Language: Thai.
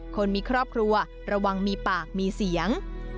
คนมีครอบครัวระวังมีปากมีเสียง